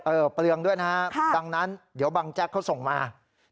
เปลืองด้วยนะฮะดังนั้นเดี๋ยวบังแจ๊กเขาส่งมา